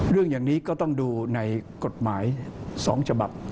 เรื่องอย่างนี้ก็ต้องดูในกฎหมาย๒ฉบับ